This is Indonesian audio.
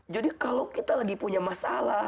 jadi kalau kita lagi punya masalah